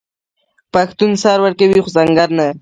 پښتون سر ورکوي خو سنګر نه.